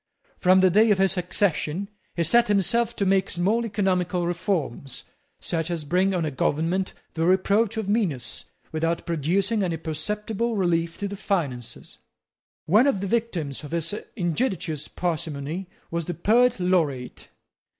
From the day of his accession he set himself to make small economical reforms, such as bring on a government the reproach of meanness without producing any perceptible relief to the finances. One of the victims of his injudicious parsimony was the Poet Laureate.